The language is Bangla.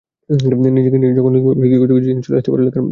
নিজেকে নিয়েই যখন লিখব, ব্যক্তিগত কিছু জিনিস চলে আসতে পারে লেখার মধ্যে।